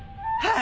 は。